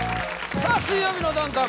さあ「水曜日のダウンタウン」